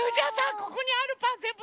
ここにあるパンぜんぶ